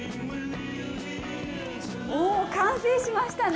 おぉ完成しましたね。